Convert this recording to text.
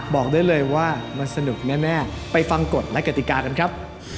บอกได้เลยว่ามันสนุกแน่ไปฟังกฎและกติกากันครับ